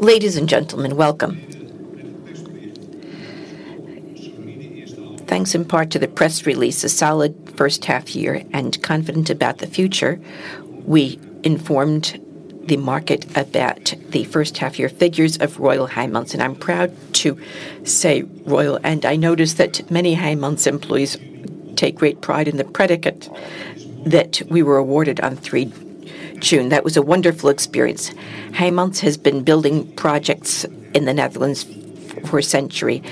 Ladies and gentlemen, welcome. Thanks in part to the press release, a solid first half year and confident about the future, we informed the market about the first half year figures of Royal Heijmans, and I'm proud to say Royal, and I noticed that many Heijmans employees take great pride in the predicate that we were awarded on 3 June. That was a wonderful experience. Heijmans has been building projects in the Netherlands for a century.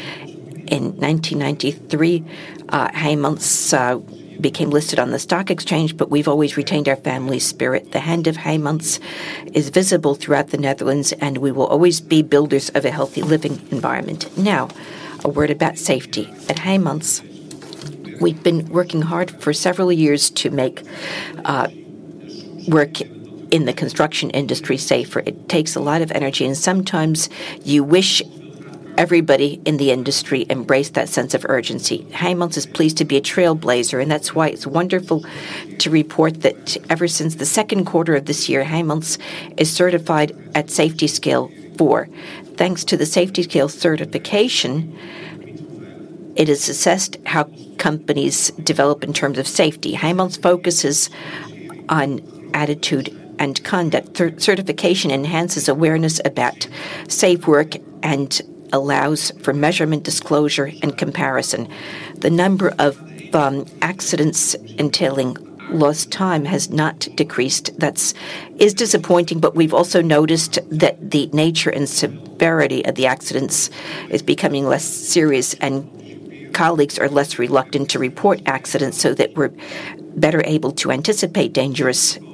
In 1993, Heijmans became listed on the stock exchange, but we've always retained our family spirit. The hand of Heijmans is visible throughout the Netherlands, and we will always be builders of a healthy living environment. Now, a word about safety. At Heijmans, we've been working hard for several years to make work in the construction industry safer. It takes a lot of energy, and sometimes you wish everybody in the industry embraced that sense of urgency. Heijmans is pleased to be a trailblazer, and that's why it's wonderful to report that ever since the second quarter of this year, Heijmans is certified at Safety Scale 4. Thanks to the Safety Scale certification, it has assessed how companies develop in terms of safety. Heijmans focuses on attitude and conduct. Certification enhances awareness about safe work and allows for measurement, disclosure, and comparison. The number of accidents entailing lost time has not decreased. That's, is disappointing, but we've also noticed that the nature and severity of the accidents is becoming less serious, and colleagues are less reluctant to report accidents, so that we're better able to anticipate dangerous situations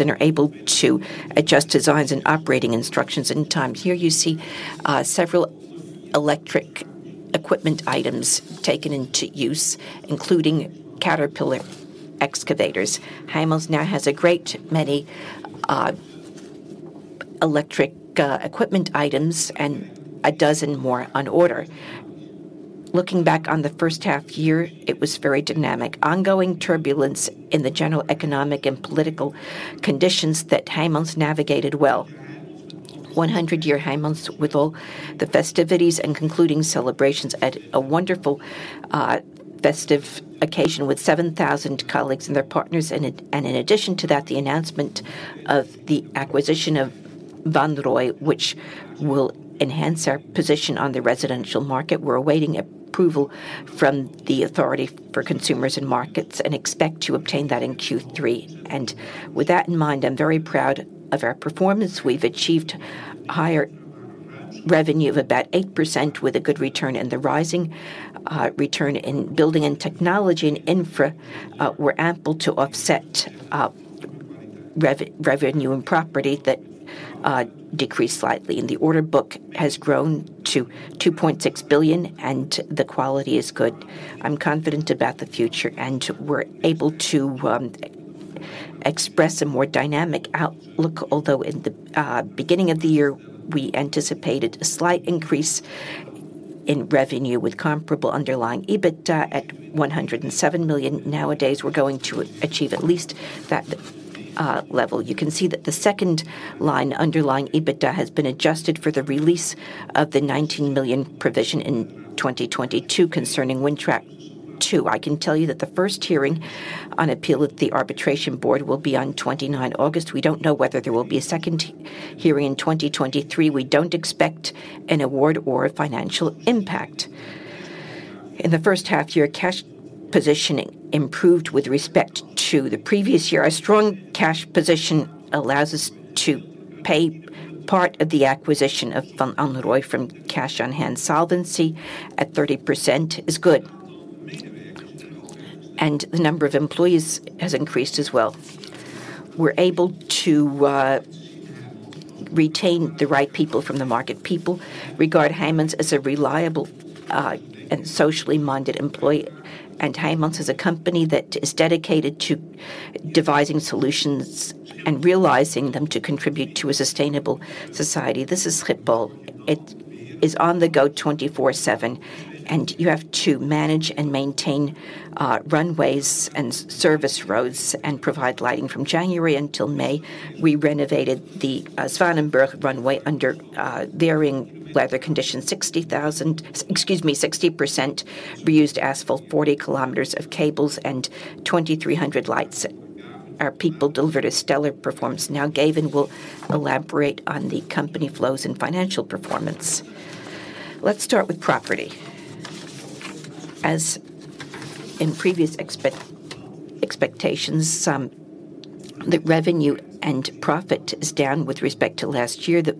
and are able to adjust designs and operating instructions in time. Here you see several electric equipment items taken into use, including Caterpillar excavators. Heijmans now has a great many electric equipment items and a dozen more on order. Looking back on the first half year, it was very dynamic. Ongoing turbulence in the general economic and political conditions that Heijmans navigated well. 100 year Heijmans, with all the festivities and concluding celebrations at a wonderful festive occasion with 7,000 colleagues and their partners. In addition to that, the announcement of the acquisition of Van Wanrooij, which will enhance our position on the residential market. We're awaiting approval from the Authority for Consumers and Markets and expect to obtain that in Q3. With that in mind, I'm very proud of our performance. We've achieved higher revenue of about 8%, with a good return, and the rising return in Building & Technology and Infra were ample to offset revenue and property that decreased slightly. The order book has grown to 2.6 billion, and the quality is good. I'm confident about the future, and we're able to express a more dynamic outlook, although in the beginning of the year, we anticipated a slight increase in revenue with comparable underlying EBITDA at 107 million. Nowadays, we're going to achieve at least that level. You can see that the second line, underlying EBITDA, has been adjusted for the release of the 19 million provision in 2022 concerning Wintrack II. I can tell you that the first hearing on appeal at the arbitration board will be on 29 August. We don't know whether there will be a second hearing in 2023. We don't expect an award or a financial impact. In the first half year, cash positioning improved with respect to the previous year. A strong cash position allows us to pay part of the acquisition of Van Wanrooij from cash on hand. Solvency at 30% is good, and the number of employees has increased as well. We're able to retain the right people from the market. People regard Heijmans as a reliable and socially-minded employee, and Heijmans is a company that is dedicated to devising solutions and realizing them to contribute to a sustainable society. This is Schiphol. It is on the go 24/7, and you have to manage and maintain runways and service roads and provide lighting. From January until May, we renovated the Zwanenburg runway under varying weather conditions. 60,000, excuse me, 60% reused asphalt, 40 km of cables, and 2,300 lights. Our people delivered a stellar performance. Gavin will elaborate on the company flows and financial performance. Let's start with property. As in previous expectations, the revenue and profit is down with respect to last year. The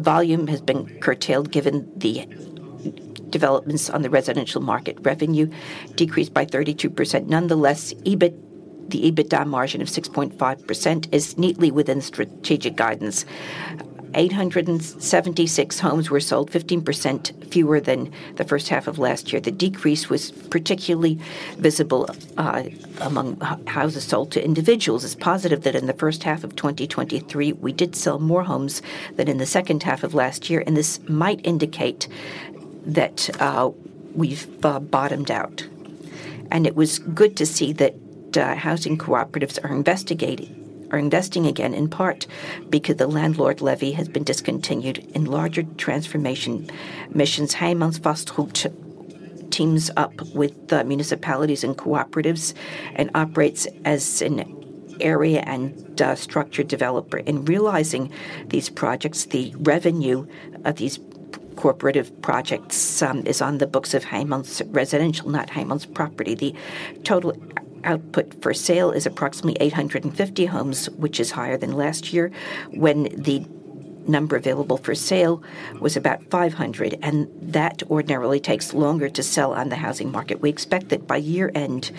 volume has been curtailed given the developments on the residential market. Revenue decreased by 32%. EBIT, the EBITDA margin of 6.5% is neatly within strategic guidance. 876 homes were sold, 15% fewer than the first half of last year. The decrease was particularly visible among houses sold to individuals. It's positive that in the first half of 2023, we did sell more homes than in the second half of last year, and this might indicate that we've bottomed out. It was good to see that housing cooperatives are investing again, in part because the landlord levy has been discontinued. In larger transformation missions, Heijmans Vastgoed teams up with the municipalities and cooperatives and operates as an area and structure developer. In realizing these projects, the revenue of these cooperative projects is on the books of Heijmans Residential, not Heijmans Property. The total output for sale is approximately 850 homes, which is higher than last year, when the number available for sale was about 500, and that ordinarily takes longer to sell on the housing market. We expect that by year-end,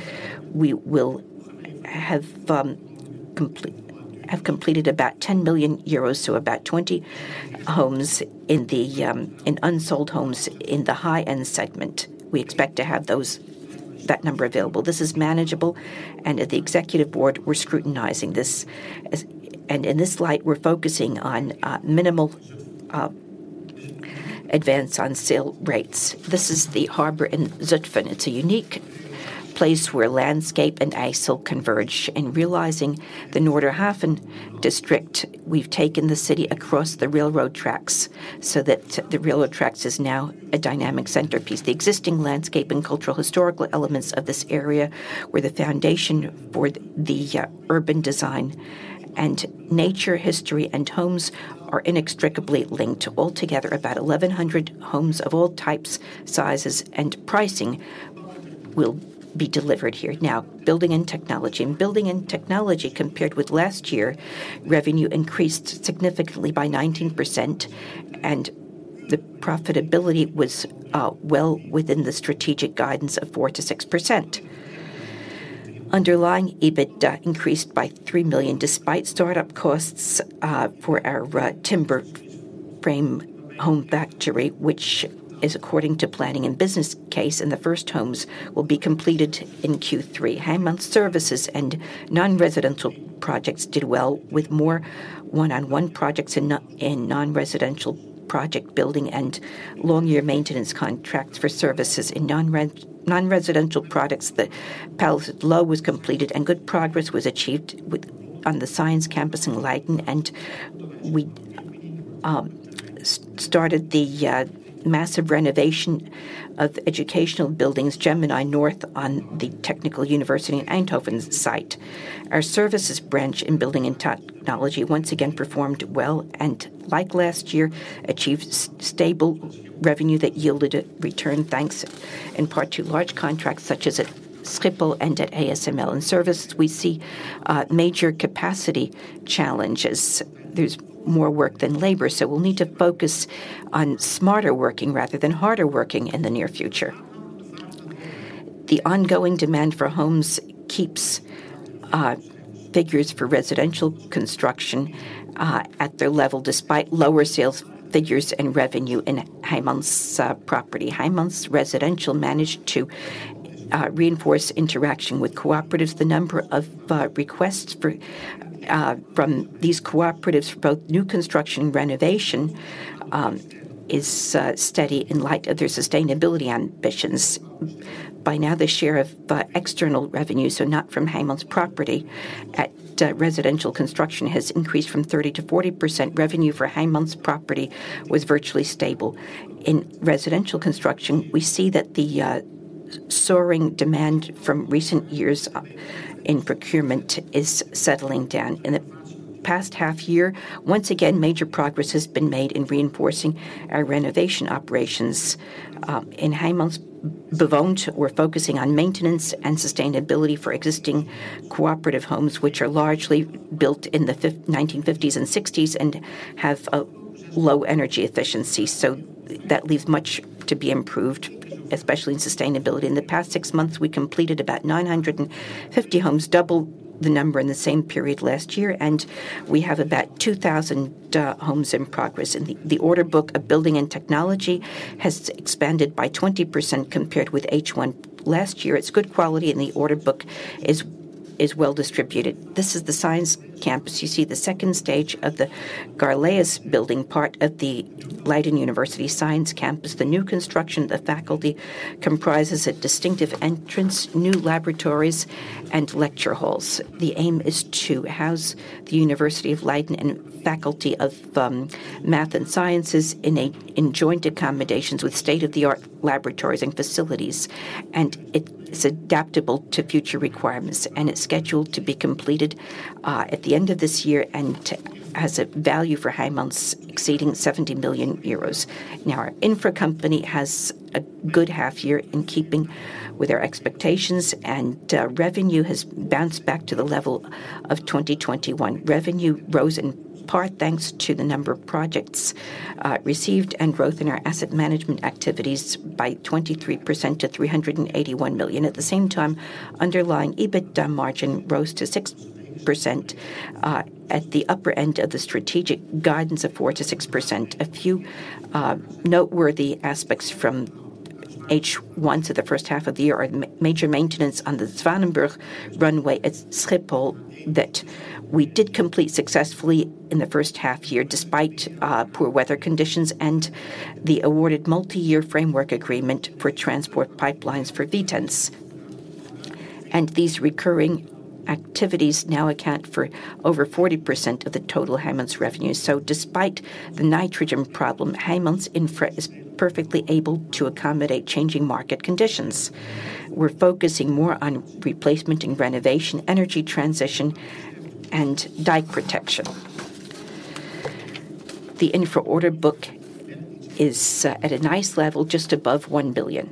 we will have completed about 10 billion euros, so about 20 homes in the in unsold homes in the high-end segment. We expect to have those, that number available. This is manageable, and at the Executive Board, we're scrutinizing this as. In this light, we're focusing on minimal advance on sale rates. This is the harbor in Zutphen. It's a unique place where landscape and isle converge. In realizing the Noorderhaven district, we've taken the city across the railroad tracks so that the railroad tracks is now a dynamic centerpiece. The existing landscape and cultural historical elements of this area were the foundation for the urban design, and nature, history, and homes are inextricably linked. Altogether, about 1,100 homes of all types, sizes, and pricing will be delivered here. Now, Building & Technology. In Building & Technology, compared with last year, revenue increased significantly by 19%, and the profitability was well within the strategic guidance of 4%-6%. Underlying EBITDA increased by 3 million, despite startup costs for our timber frame home factory, which is according to planning and business case, and the first homes will be completed in Q3. Heijmans Services and Non-residential projects did well, with more one-on-one projects in Non-residential project building and long-year maintenance contracts for services. In Non-residential products, Paleis Het Loo was completed, and good progress was achieved with, on the science campus in Leiden, and we started the massive renovation of the educational buildings, Gemini North, on the Technical University in Eindhoven's site. Our services branch in Building & Technology once again performed well, and like last year, achieved stable revenue that yielded a return, thanks in part to large contracts, such as at Schiphol and at ASML. In service, we see major capacity challenges. There's more work than labor, so we'll need to focus on smarter working rather than harder working in the near future. The ongoing demand for homes keeps figures for residential construction at their level, despite lower sales figures and revenue in Heijmans Property. Heijmans Residential managed to reinforce interaction with cooperatives. The number of requests for from these cooperatives for both new construction and renovation is steady in light of their sustainability ambitions. By now, the share of external revenue, so not from Heijmans Property, at residential construction, has increased from 30%-40%. Revenue for Heijmans Property was virtually stable. In residential construction, we see that the soaring demand from recent years in procurement is settling down. In the past half year, once again, major progress has been made in reinforcing our renovation operations. In Heijmans Wonen, we're focusing on maintenance and sustainability for existing cooperative homes, which are largely built in the 1950s and 1960s and have a low energy efficiency, so that leaves much to be improved, especially in sustainability. In the past six months, we completed about 950 homes, double the number in the same period last year, and we have about 2,000 homes in progress. The order book of Building & Technology has expanded by 20% compared with H1 last year. It's good quality, and the order book is well distributed. This is the science campus. You see the second stage of the Gorlaeus Building, part of the Leiden University Science Campus. The new construction of the faculty comprises a distinctive entrance, new laboratories, and lecture halls. The aim is to house the Leiden University and Faculty of Science in a, in joint accommodations with state-of-the-art laboratories and facilities. It is adaptable to future requirements, and it's scheduled to be completed at the end of this year and has a value for Heijmans exceeding 70 million euros. Our Infra company has a good half year in keeping with our expectations, and revenue has bounced back to the level of 2021. Revenue rose in part, thanks to the number of projects received and growth in our asset management activities by 23% to 381 million. At the same time, underlying EBITDA margin rose to 6%, at the upper end of the strategic guidance of 4%-6%. A few noteworthy aspects from H1, so the first half of the year, are the major maintenance on the Zwanenburg runway at Schiphol that we did complete successfully in the first half year, despite poor weather conditions, and the awarded multi-year framework agreement for transport pipelines for Vitens. These recurring activities now account for over 40% of the total Heijmans revenue. Despite the nitrogen problem, Heijmans Infra is perfectly able to accommodate changing market conditions. We're focusing more on replacement and renovation, energy transition, and dike protection. The Infra order book is at a nice level, just above 1 billion.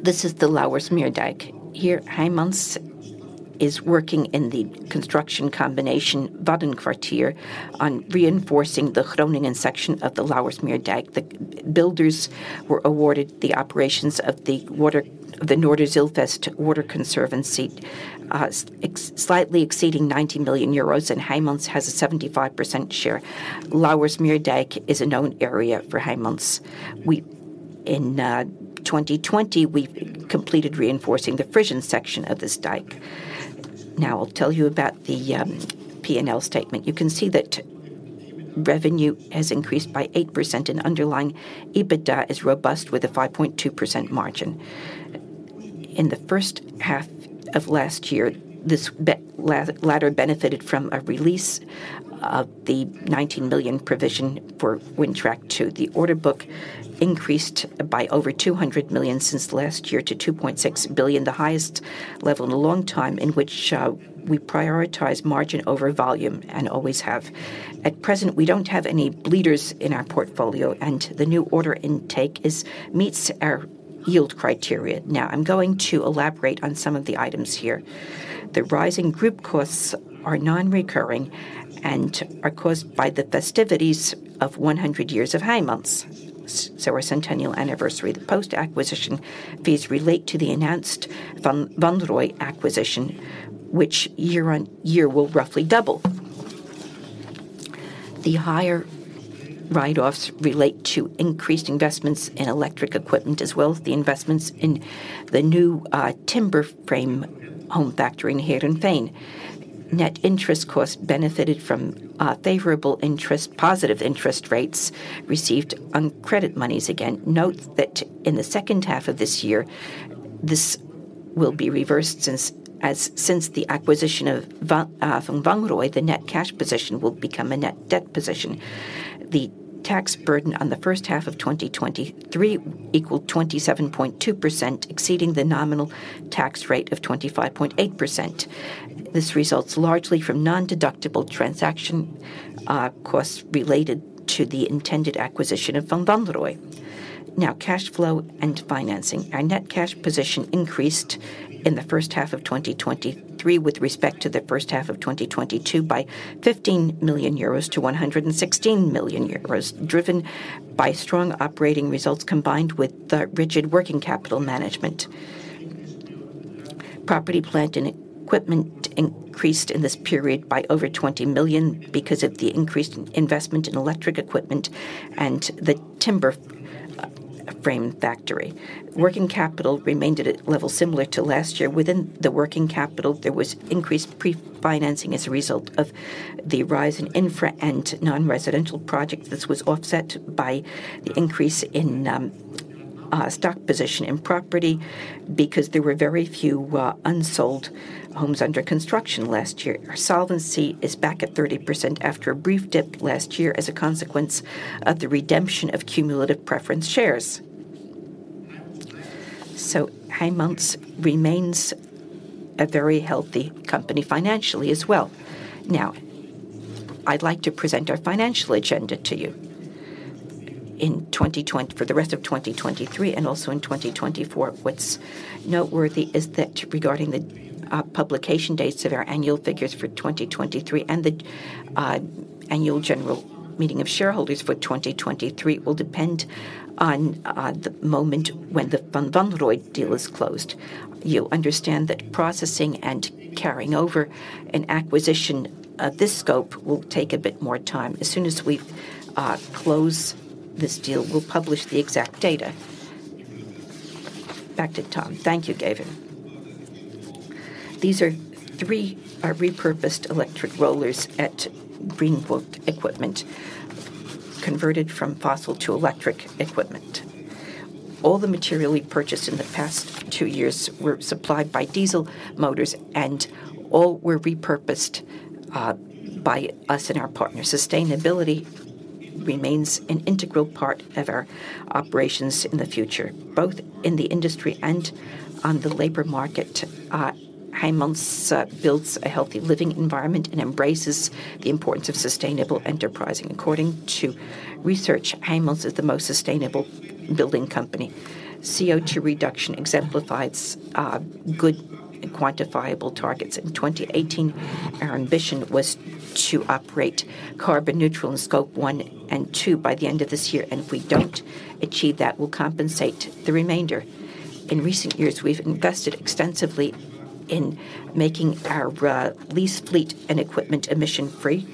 This is the Lauwersmeer dike. Here, Heijmans is working in the construction combination Waddenkwartier on reinforcing the Groningen section of the Lauwersmeer dike. The builders were awarded the operations of the Noorderzijlvest Water Conservancy, slightly exceeding 90 million euros, and Heijmans has a 75% share. Lauwersmeer dike is a known area for Heijmans. In 2020, we completed reinforcing the Frisian section of this dike. I'll tell you about the P&L statement. You can see that revenue has increased by 8%, and underlying EBITDA is robust, with a 5.2% margin. In the first half of last year, this latter benefited from a release of the 19 billion provision for Wintrack II. The order book increased by over 200 million since last year to 2.6 billion, the highest level in a long time, in which we prioritize margin over volume, and always have. At present, we don't have any bleeders in our portfolio, and the new order intake meets our yield criteria. I'm going to elaborate on some of the items here. The rising group costs are non-recurring and are caused by the festivities of 100 years of Heijmans, so our centennial anniversary. The post-acquisition fees relate to the enhanced Van Wanrooij acquisition, which year-on-year will roughly double. The higher write-offs relate to increased investments in electric equipment, as well as the investments in the new timber frame home factory in Heerenveen. Net interest costs benefited from favorable interest, positive interest rates received on credit monies again. Note that in the second half of this year, this will be reversed, since since the acquisition of Van Wanrooij, the net cash position will become a net debt position. The tax burden on the first half of 2023 equaled 27.2%, exceeding the nominal tax rate of 25.8%. This results largely from non-deductible transaction costs related to the intended acquisition of Van Wanrooij. Now, cash flow and financing. Our net cash position increased in the first half of 2023 with respect to the first half of 2022 by 15 million-116 million euros, driven by strong operating results, combined with the rigid working capital management. Property, plant, and equipment increased in this period by over 20 million because of the increased investment in electric equipment and the timber frame factory. Working capital remained at a level similar to last year. Within the working capital, there was increased pre-financing as a result of the rise in Infra and Non-residential projects. This was offset by the increase in stock position in property because there were very few unsold homes under construction last year. Our solvency is back at 30% after a brief dip last year as a consequence of the redemption of cumulative preference shares. Heijmans remains a very healthy company financially as well. Now, I'd like to present our financial agenda to you. In for the rest of 2023 and also in 2024, what's noteworthy is that regarding the publication dates of our annual figures for 2023 and the annual general meeting of shareholders for 2023 will depend on the moment when the Van Wanrooij deal is closed. You'll understand that processing and carrying over an acquisition of this scope will take a bit more time. As soon as we close this deal, we'll publish the exact data. Back to Ton. Thank you, Gavin . These are three repurposed electric rollers at Green Road Equipment, converted from fossil to electric equipment. All the material we purchased in the past two years were supplied by diesel motors, and all were repurposed by us and our partner. Sustainability remains an integral part of our operations in the future, both in the industry and on the labor market. Heijmans builds a healthy living environment and embraces the importance of sustainable enterprising. According to research, Heijmans is the most sustainable building company. CO2 reduction exemplifies good and quantifiable targets. In 2018, our ambition was to operate carbon neutral in Scope 1 and 2 by the end of this year. If we don't achieve that, we'll compensate the remainder. In recent years, we've invested extensively in making our lease fleet and equipment emission-free,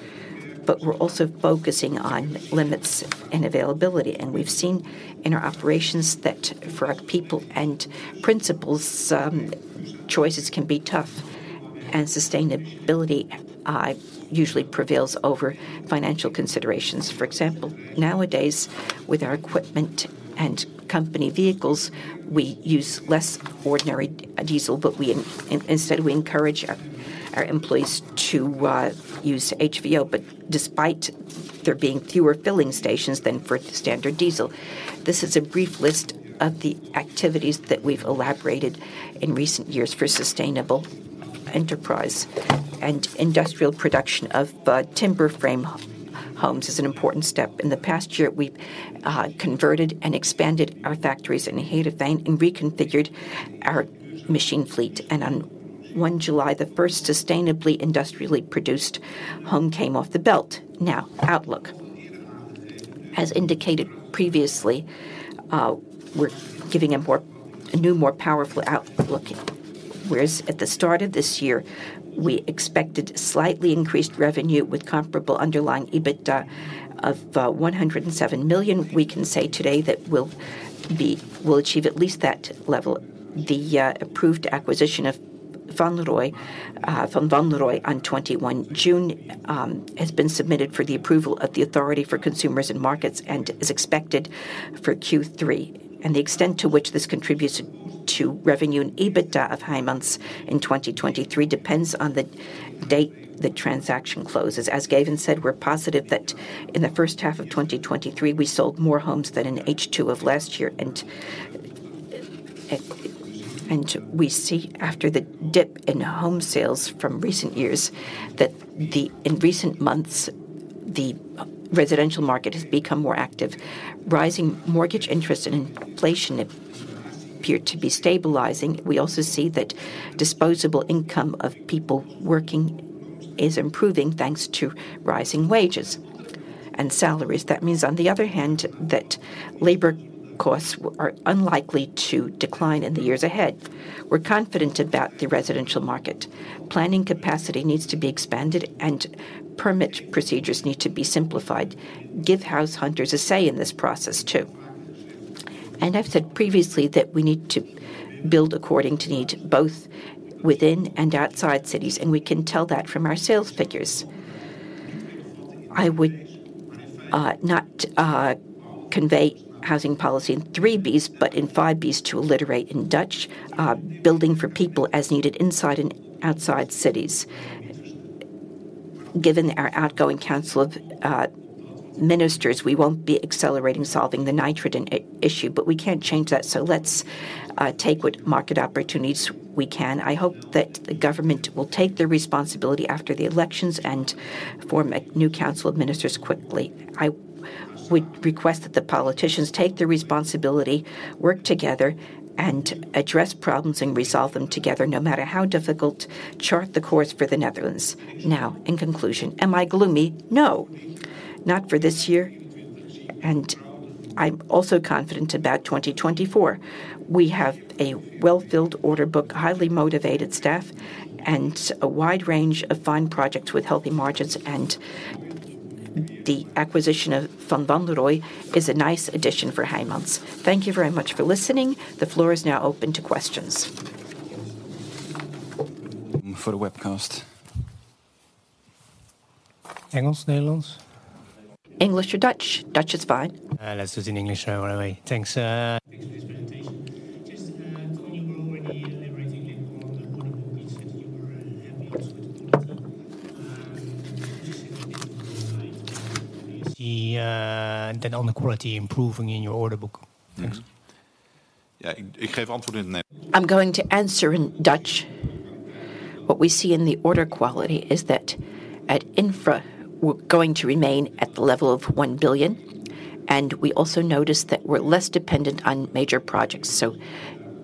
but we're also focusing on limits and availability, and we've seen in our operations that for our people and principals, choices can be tough. Sustainability usually prevails over financial considerations. For example, nowadays, with our equipment and company vehicles, we use less ordinary diesel, but instead, we encourage our employees to use HVO. Despite there being fewer filling stations than for standard diesel, this is a brief list of the activities that we've elaborated in recent years for sustainable enterprise. Industrial production of timber frame homes is an important step. In the past year, we've converted and expanded our factories in Hedel and reconfigured our machine fleet. On 1 July, the first sustainably industrially produced home came off the belt. Now, outlook. As indicated previously, we're giving a new, more powerful outlook. Whereas at the start of this year, we expected slightly increased revenue with comparable underlying EBITDA of 107 million. We can say today that we'll achieve at least that level. The approved acquisition of Van Wanrooij from Van Wanrooij on 21 June has been submitted for the approval of the Authority for Consumers and Markets and is expected for Q3. The extent to which this contributes to revenue and EBITDA of Heijmans in 2023 depends on the date the transaction closes. As Gavin said, we're positive that in the first half of 2023, we sold more homes than in H2 of last year, and we see after the dip in home sales from recent years, that in recent months, the residential market has become more active. Rising mortgage interest and inflation appear to be stabilizing. We also see that disposable income of people working is improving, thanks to rising wages and salaries. That means, on the other hand, that labor costs are unlikely to decline in the years ahead. We're confident about the residential market. Planning capacity needs to be expanded, and permit procedures need to be simplified. Give house hunters a say in this process, too. I've said previously that we need to build according to need, both within and outside cities, and we can tell that from our sales figures. I would not convey housing policy in three Bs, but in five Bs to alliterate in Dutch, building for people as needed inside and outside cities. Given our outgoing Council of Ministers, we won't be accelerating solving the nitrogen issue, but we can't change that, so let's take what market opportunities we can. I hope that the government will take the responsibility after the elections and form a new Council of Ministers quickly. I would request that the politicians take the responsibility, work together, and address problems and resolve them together, no matter how difficult. Chart the course for the Netherlands. Now, in conclusion, am I gloomy? No, not for this year, and I'm also confident about 2024. We have a well-filled order book, highly motivated staff, and a wide range of fine projects with healthy margins, and the acquisition of Van Wanrooij is a nice addition for Heijmans. Thank you very much for listening. The floor is now open to questions. For the webcast. English, Netherlands? English or Dutch? Dutch is fine. Let's do it in English, right away. Thanks, thanks for this presentation. Just, when you were already elaborating on the order book, you said you were happy with the order book. Just. Is the, the owner quality improving in your order book? Thanks. Yeah, I'm going to answer in Dutch. What we see in the order quality is that at Infra, we're going to remain at the level of 1 billion, and we also noticed that we're less dependent on major projects.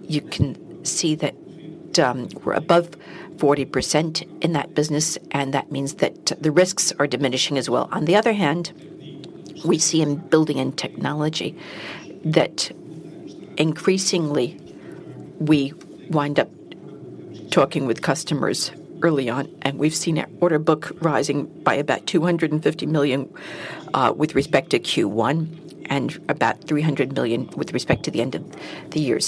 You can see that we're above 40% in that business, and that means that the risks are diminishing as well. On the other hand, we see in Building & Technology that increasingly we wind up talking with customers early on, and we've seen our order book rising by about 250 million with respect to Q1 and about 300 million with respect to the end of the year.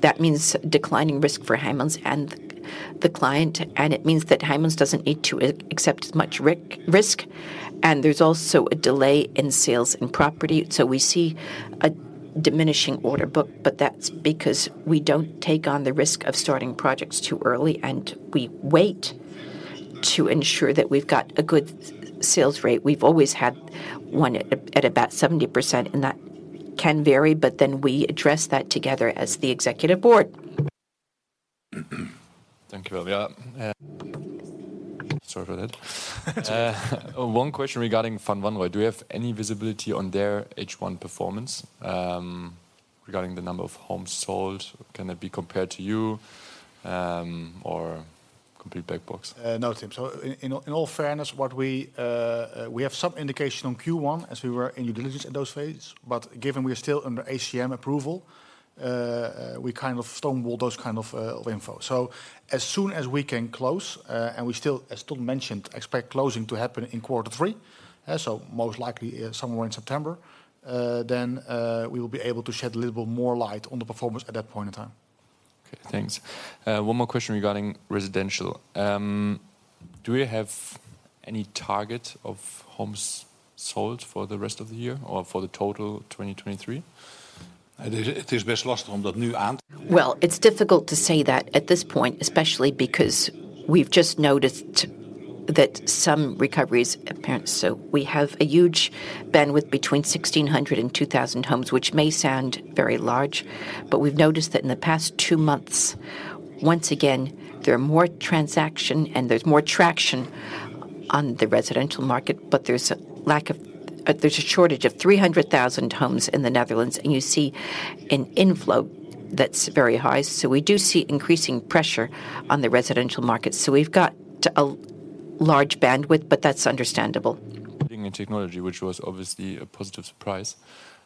That means declining risk for Heijmans and the client, and it means that Heijmans doesn't need to accept as much risk, and there's also a delay in sales in property. We see a diminishing order book, but that's because we don't take on the risk of starting projects too early, and we wait to ensure that we've got a good sales rate. We've always had one at, at about 70%, and that can vary, but then we address that together as the Executive Board. Thank you very well. Yeah, sorry about that. One question regarding Van Wanrooij. Do you have any visibility on their H1 performance, regarding the number of homes sold? Can it be compared to you, or complete black box? No, Tim. In all, in all fairness, We have some indication on Q1 as we were in due diligence in those phases, but given we are still under ACM approval, we kind of stonewall those kind of info. As soon as we can close, and we still, as Ton mentioned, expect closing to happen in quarter three, most likely somewhere in September, then we will be able to shed a little more light on the performance at that point in time. Thanks. One more question regarding residential. Do we have any target of homes sold for the rest of the year or for the total 2023? It is, it is best last on that nuance. Well, it's difficult to say that at this point, especially because we've just noticed that some recovery is apparent. We have a huge bandwidth between 1,600 and 2,000 homes, which may sound very large, but we've noticed that in the past two months, once again, there are more transaction and there's more traction on the residential market. There's a lack of, there's a shortage of 300,000 homes in the Netherlands, and you see an inflow that's very high. We do see increasing pressure on the residential market. We've got to a large bandwidth, but that's understandable. Building & Technology, which was obviously a positive surprise,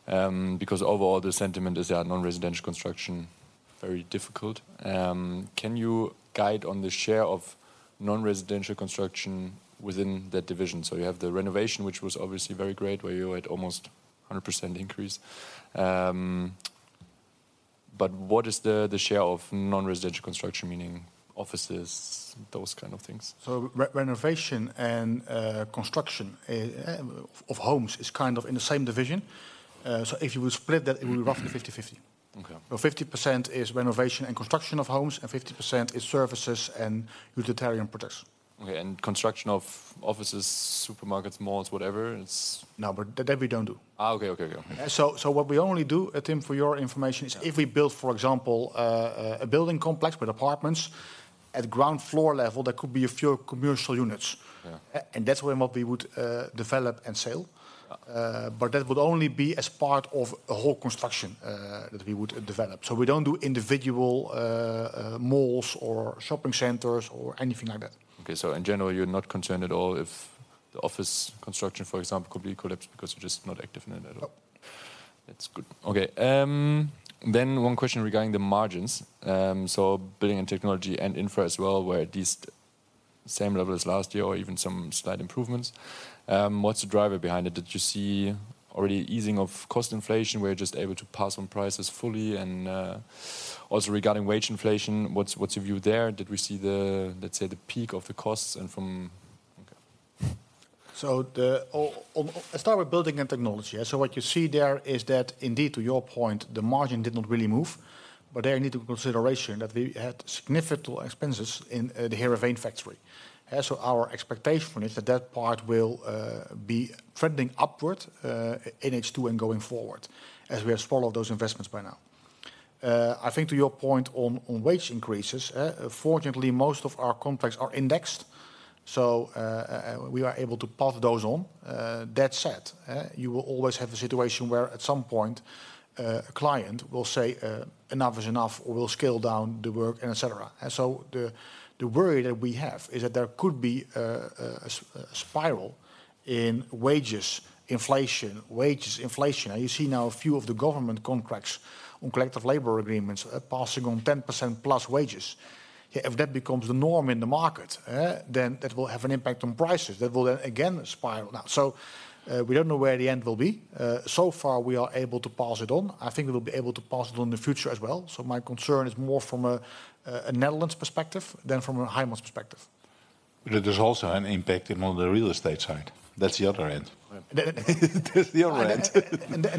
because overall the sentiment is at non-residential construction, very difficult. Can you guide on the share of Non-residential construction within that division? You have the renovation, which was obviously very great, where you had almost 100% increase. What is the share of non-residential construction, meaning offices, those kind of things? Renovation and, construction, of homes is kind of in the same division. If you will split that, it will be roughly 50/50. Okay. 50% is renovation and construction of homes, and 50% is services and utilitarian products. Okay. construction of offices, supermarkets, malls, whatever, it's. No, but that we don't do. Ah, okay. Okay. Okay. So what we only do, and Tim, for your information, is if we build, for example, a building complex with apartments, at ground floor level, there could be a few commercial units. Yeah. That's where what we would develop and sell. Yeah. That would only be as part of a whole construction that we would develop. We don't do individual malls or shopping centers or anything like that. Okay. In general, you're not concerned at all if the office construction, for example, could be collapsed because you're just not active in it at all? No. That's good. Okay. One question regarding the margins. Building & Technology and Infra as well, were at least same level as last year or even some slight improvements. What's the driver behind it? Did you see already easing of cost inflation, where you're just able to pass on prices fully? Also regarding wage inflation, what's, what's your view there? Did we see the, let's say, the peak of the costs and from. Okay. I start with Building & Technology. What you see there is that indeed, to your point, the margin did not really move, but there need to consideration that we had significant expenses in the Heerenveen factory. Our expectation is that that part will be trending upward in H2 and going forward, as we have swallowed those investments by now. I think to your point on wage increases, fortunately, most of our contracts are indexed, so we are able to pass those on. That said, you will always have a situation where at some point, a client will say, "Enough is enough," or, "We'll scale down the work," and et cetera. The worry that we have is that there could be a spiral in wages, inflation, wages, inflation. You see now a few of the government contracts on collective labor agreements, passing on 10% plus wages. If that becomes the norm in the market, then that will have an impact on prices. That will then again, spiral down. We don't know where the end will be. So far, we are able to pass it on. I think we will be able to pass it on in the future as well. My concern is more from a Netherlands perspective than from a Heijmans perspective. There's also an impact in on the real estate side. That's the other end. That's the other end.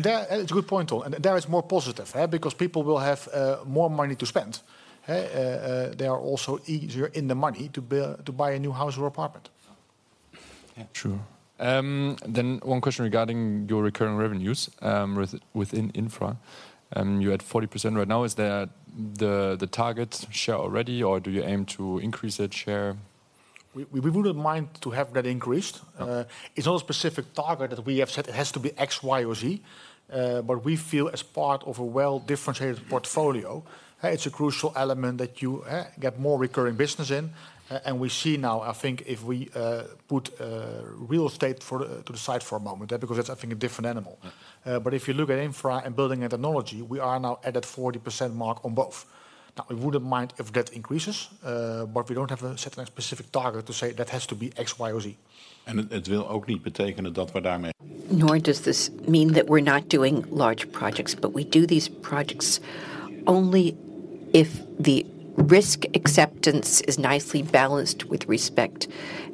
There, and it's a good point, though, and there is more positive, because people will have more money to spend. They are also easier in the money to buy a new house or apartment. Yeah, true. One question regarding your recurring revenues, within Infra. You're at 40% right now. Is that the, the target share already, or do you aim to increase that share? We, we wouldn't mind to have that increased. Yeah. It's not a specific target that we have said it has to be X, Y, or Z, but we feel as part of a well-differentiated portfolio, it's a crucial element that you get more recurring business in. We see now, I think, if we put real estate for to the side for a moment, because that's, I think, a different animal. Yeah. If you look at Infra and Building & Technology, we are now at that 40% mark on both. We wouldn't mind if that increases, but we don't have a certain specific target to say that has to be X, Y, or Z. It will also not mean that we are. Nor does this mean that we're not doing large projects, but we do these projects only if the risk acceptance is nicely balanced with respect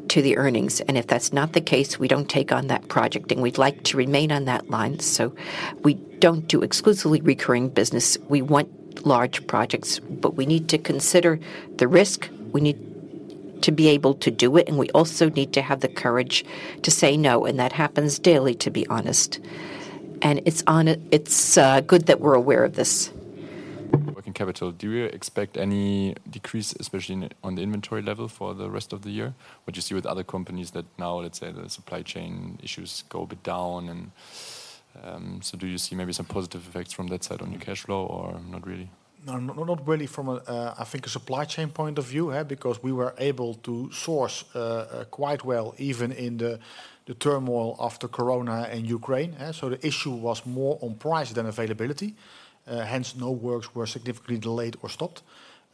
to the earnings. If that's not the case, we don't take on that project, and we'd like to remain on that line. We don't do exclusively recurring business. We want large projects, but we need to consider the risk, we need to be able to do it, and we also need to have the courage to say no, and that happens daily, to be honest. It's good that we're aware of this. Working capital, do you expect any decrease, especially in the, on the inventory level, for the rest of the year? What you see with other companies that now, let's say, the supply chain issues go a bit down and do you see maybe some positive effects from that side on your cash flow or not really? No, not, not really from a, I think, a supply chain point of view, huh? Because we were able to source quite well, even in the turmoil after Corona and Ukraine. The issue was more on price than availability. Hence, no works were significantly delayed or stopped.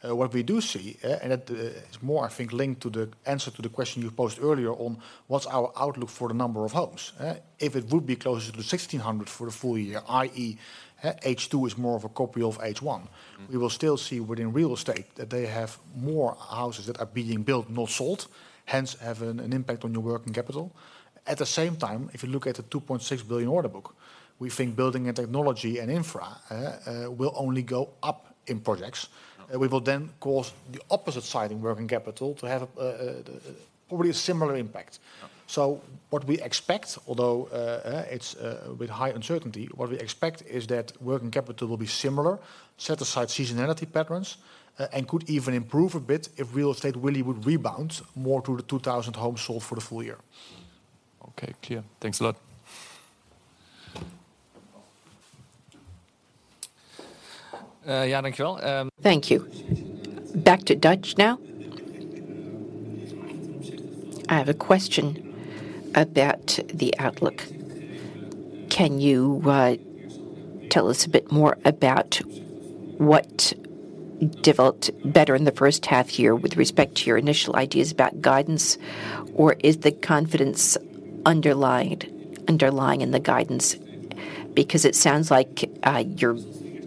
What we do see, and it is more, I think, linked to the answer to the question you posed earlier on: What's our outlook for the number of homes? If it would be closer to 1,600 for the full year, i.e., H2 is more of a copy of H1, we will still see within real estate that they have more houses that are being built, not sold, hence, have an impact on your working capital. At the same time, if you look at the 2.6 billion order book, we think Building & Technology and Infra will only go up in projects. Yeah. We will then cause the opposite side in working capital to have, probably a similar impact. Yeah. What we expect, although it's with high uncertainty, what we expect is that working capital will be similar, set aside seasonality patterns, and could even improve a bit if real estate really would rebound more to the 2,000 homes sold for the full year. Okay, clear. Thanks a lot. Jan, thank you. Thank you. Back to Dutch now. I have a question about the outlook. Can you tell us a bit more about what developed better in the first half year with respect to your initial ideas about guidance? Is the confidence underlying in the guidance? It sounds like you're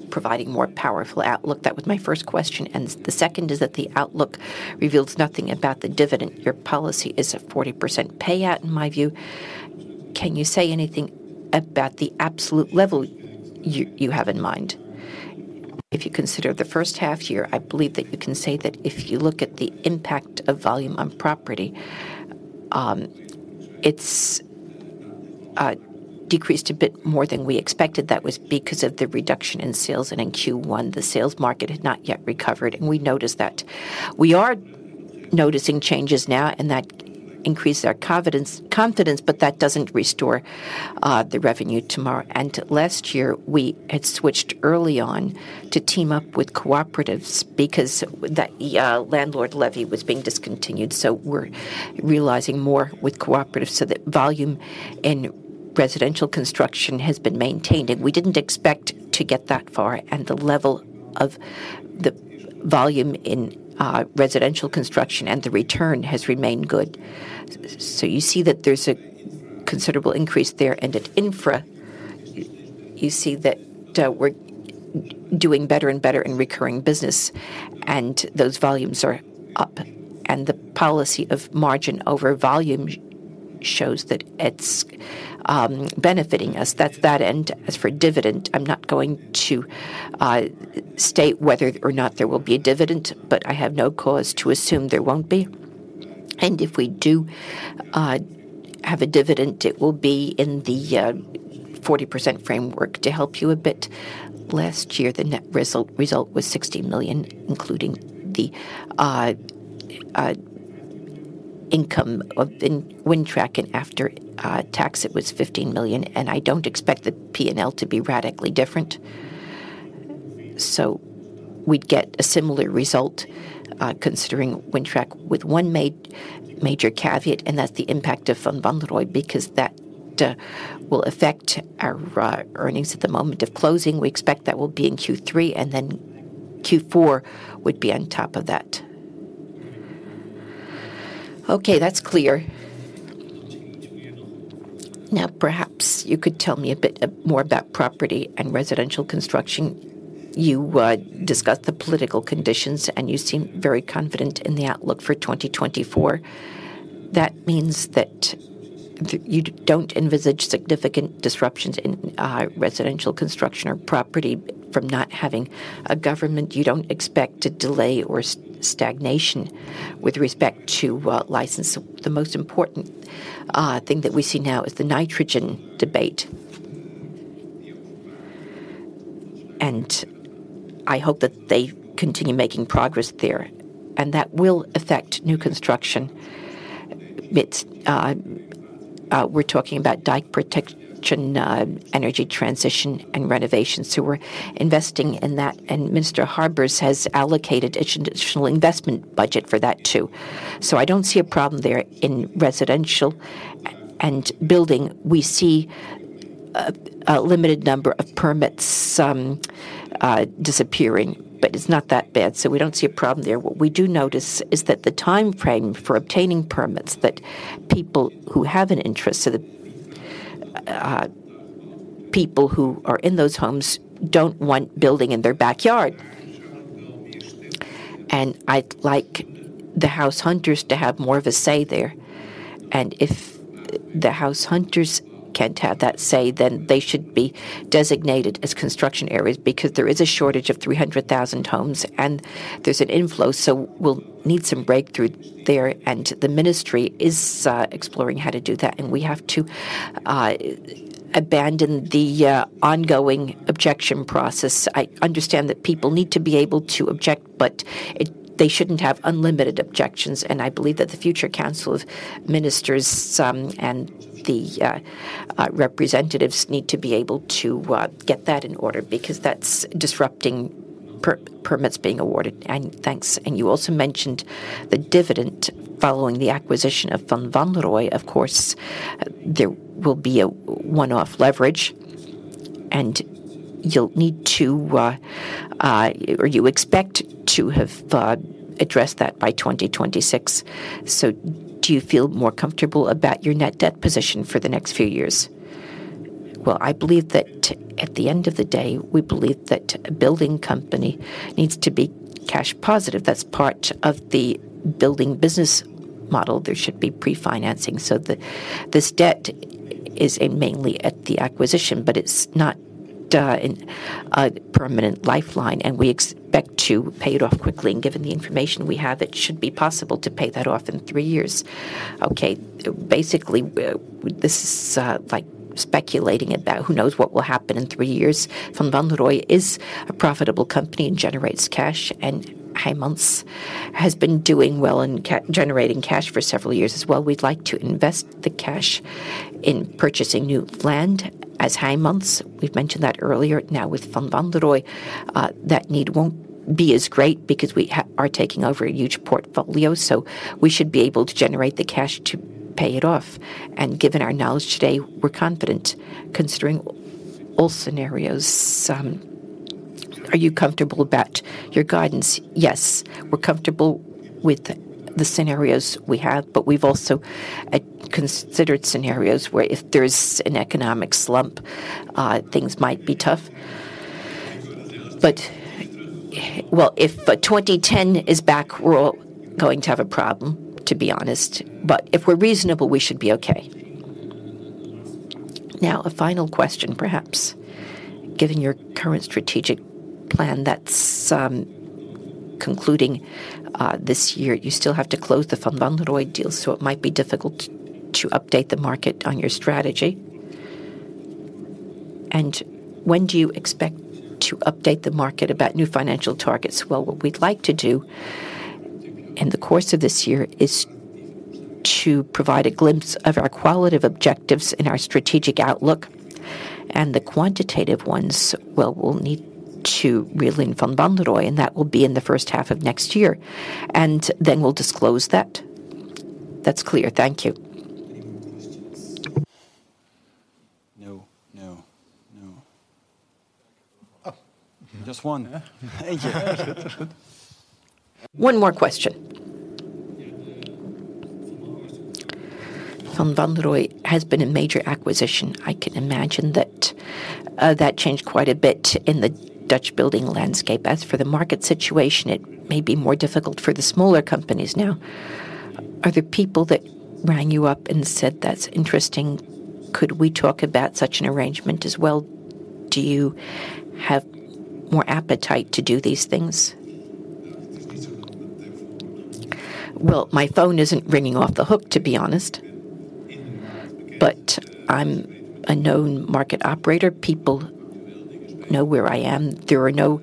providing more powerful outlook. That was my first question, the second is that the outlook reveals nothing about the dividend. Your policy is a 40% payout, in my view. Can you say anything about the absolute level you have in mind? If you consider the first half year, I believe that you can say that if you look at the impact of volume on property, it's decreased a bit more than we expected. That was because of the reduction in sales, and in Q1, the sales market had not yet recovered, and we noticed that. We are noticing changes now, and that increased our confidence, confidence, but that doesn't restore, the revenue tomorrow. Last year, we had switched early on to team up with cooperatives because the landlord levy was being discontinued, so we're realizing more with cooperatives so that volume in residential construction has been maintained, and we didn't expect to get that far. The level of the volume in residential construction and the return has remained good. So you see that there's a considerable increase there, at Infra, you see that we're doing better and better in recurring business, and those volumes are up. The policy of margin over volume shows that it's benefiting us. That's that. As for dividend, I'm not going to state whether or not there will be a dividend, but I have no cause to assume there won't be. If we do have a dividend, it will be in the 40% framework. To help you a bit, last year, the net result was 60 million, including the income of in Wintrack, and after tax, it was 15 million. I don't expect the P&L to be radically different. We'd get a similar result considering Wintrack with one major caveat. That's the impact of Van Wanrooij, because that will affect our earnings at the moment of closing. We expect that will be in Q3. Q4 would be on top of that. Okay, that's clear. Now, perhaps you could tell me a bit more about property and residential construction. You discussed the political conditions, and you seem very confident in the outlook for 2024. That means that you don't envisage significant disruptions in residential construction or property from not having a government. You don't expect a delay or stagnation with respect to, well, license. The most important thing that we see now is the nitrogen debate. I hope that they continue making progress there, and that will affect new construction. It's. We're talking about dike protection, energy transition, and renovations, so we're investing in that, and Minister Harbers has allocated additional investment budget for that, too. I don't see a problem there. In residential and building, we see a limited number of permits disappearing, but it's not that bad, so we don't see a problem there. What we do notice is that the timeframe for obtaining permits, that people who have an interest, so the people who are in those homes don't want building in their backyard. I'd like the house hunters to have more of a say there, and if the house hunters can't have that say, then they should be designated as construction areas because there is a shortage of 300,000 homes, and there's an inflow, so we'll need some breakthrough there. The ministry is exploring how to do that, and we have to abandon the ongoing objection process. I understand that people need to be able to object, but they shouldn't have unlimited objections, and I believe that the future Council of Ministers and the representatives need to be able to get that in order because that's disrupting permits being awarded. Thanks. You also mentioned the dividend following the acquisition of Van Wanrooij. Of course, there will be a one-off leverage, and you'll need to or you expect to have addressed that by 2026. Do you feel more comfortable about your net debt position for the next few years? Well, I believe that at the end of the day, we believe that a building company needs to be cash positive. That's part of the building business model. There should be pre-financing so that this debt is mainly at the acquisition, it's not in a permanent lifeline, we expect to pay it off quickly, and given the information we have, it should be possible to pay that off in three years. Basically, this is like speculating about who knows what will happen in three years. Van Wanrooij is a profitable company and generates cash, Heijmans has been doing well and generating cash for several years as well. We'd like to invest the cash in purchasing new land as Heijmans. We've mentioned that earlier. With Van Wanrooij, that need won't be as great because we are taking over a huge portfolio, we should be able to generate the cash to pay it off. Given our knowledge today, we're confident considering all scenarios. Are you comfortable about your guidance? Yes, we're comfortable with the scenarios we have, but we've also considered scenarios where if there's an economic slump, things might be tough. Well, if 2010 is back, we're all going to have a problem, to be honest, but if we're reasonable, we should be okay. A final question, perhaps. Given your current strategic plan, that's concluding this year, you still have to close the Van Wanrooij deal, so it might be difficult to update the market on your strategy. When do you expect to update the market about new financial targets? Well, what we'd like to do in the course of this year is to provide a glimpse of our qualitative objectives in our strategic outlook, and the quantitative ones, well, we'll need to reel in Van Wanrooij, and that will be in the first half of next year, and then we'll disclose that. That's clear. Thank you. Any more questions? No, no, no. Oh, just one. Thank you. One more question. Van Wanrooij has been a major acquisition. I can imagine that that changed quite a bit in the Dutch building landscape. As for the market situation, it may be more difficult for the smaller companies. Are there people that rang you up and said: "That's interesting, could we talk about such an arrangement as well?" Do you have more appetite to do these things? Well, my phone isn't ringing off the hook, to be honest, but I'm a known market operator. People know where I am. There are no.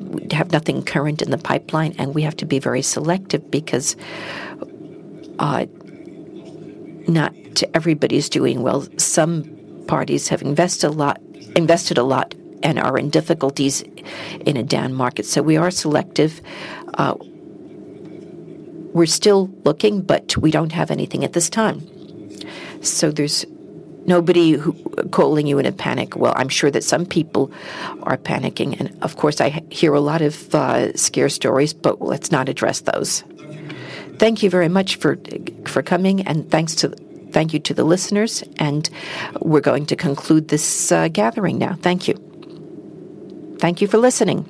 We have nothing current in the pipeline, and we have to be very selective because not everybody's doing well. Some parties have invested a lot and are in difficulties in a down market. We are selective. We're still looking, but we don't have anything at this time. There's nobody calling you in a panic? Well, I'm sure that some people are panicking, and of course, I hear a lot of scare stories, but let's not address those. Thank you very much for, for coming, thank you to the listeners, and we're going to conclude this gathering now. Thank you. Thank you for listening.